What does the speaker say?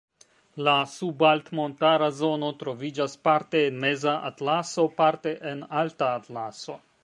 La sub-alt-montara zono troviĝas parte en Meza Atlaso, parte en Alta Atlaso.